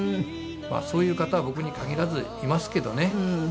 まあそういう方は僕に限らずいますけどね。